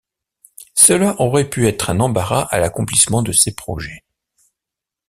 Cela aurait pu être un embarras à l’accomplissement de ses projets.